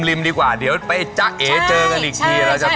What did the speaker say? ริมดีกว่าเดี๋ยวไปเจอกันอีกทีแล้วจะตกใจ